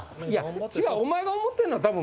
いや違うお前が思ってんのは。